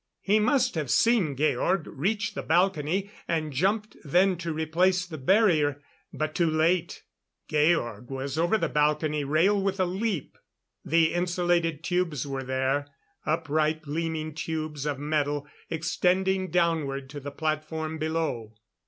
He must have seen Georg reach the balcony; and jumped then to replace the barrier. But too late. Georg was over the balcony rail with a leap. The insulated tubes were there upright gleaming tubes of metal extending downward to the platform below.